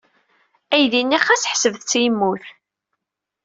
Aydi-nni ɣas ḥeṣbet-t yemmut.